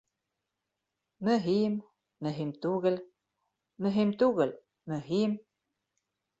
—Мөһим —мөһим түгел... мөһим түгел — мөһим...